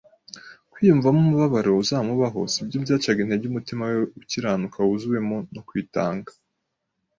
Kwiyumvamo umubabaro uzamubaho sibyo byacaga intege umutima we ukiranuka wuzuwemo no kwitanga.